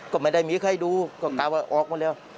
ก็ไม่ได้มีใครดูก็กล่าวว่าออกมาแล้ว